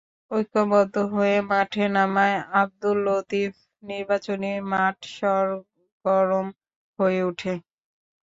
ঐক্যবদ্ধ হয়ে মাঠে নামায় আবদুল লতিফ নির্বাচনী মাঠ সরগরম হয়ে ওঠে।